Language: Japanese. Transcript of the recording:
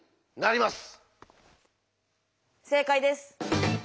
正解です。